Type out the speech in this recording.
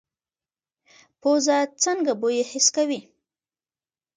پوزه څنګه بوی حس کوي؟